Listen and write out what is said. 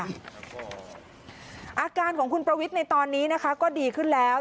อาการของคุณประวิทย์ในตอนนี้นะคะก็ดีขึ้นแล้ว